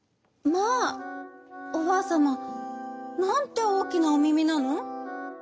「まあおばあさまなんておおきなおめめなの？」。